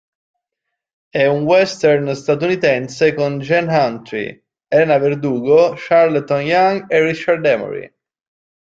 È un western statunitense con Gene Autry, Elena Verdugo, Carleton Young e Richard Emory.